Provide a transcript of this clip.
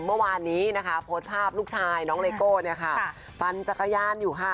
เมื่อวานนี้โพสต์ภาพลูกชายน้องเลโก้ปันจักรยานอยู่ค่ะ